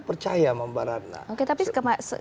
percaya sama mbak randa